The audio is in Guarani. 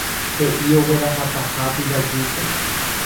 he'i oguerahataha Pirajúpe